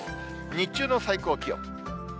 日中の最高気温。